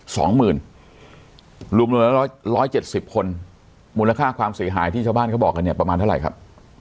สองหมื่นรวมรวมแล้วร้อยร้อยเจ็ดสิบคนมูลค่าความเสียหายที่ชาวบ้านเขาบอกกันเนี่ยประมาณเท่าไหร่ครับ